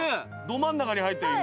ど真ん中に入ってる今。